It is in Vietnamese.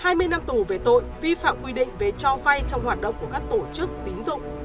hai mươi năm tù về tội vi phạm quy định về cho vay trong hoạt động của các tổ chức tín dụng